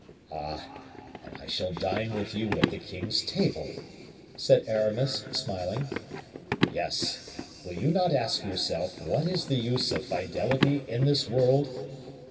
"Ah! and I shall dine with you at the king's table," said Aramis, smiling. "Yes, will you not ask yourself what is the use of fidelity in this world?